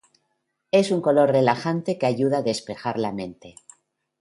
Es un color relajante que ayuda a despejar la mente.